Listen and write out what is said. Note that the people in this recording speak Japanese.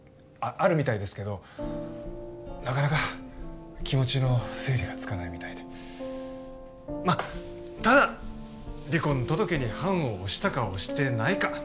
あるみたいですけどなかなか気持ちの整理がつかないみたいでまっただ離婚届に判を捺したか捺してないか